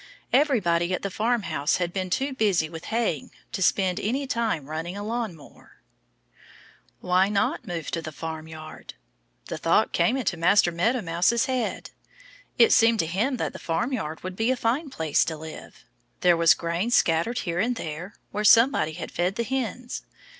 Everybody at the farmhouse had been too busy with haying to spend any time running a lawn mower. Why not move to the farmyard? The thought came into Master Meadow Mouse's head. It seemed to him that the farmyard would be a fine place to live. There was grain scattered here and there, where somebody had fed the hens.